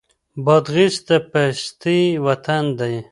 بادغيس د پيستې وطن دی.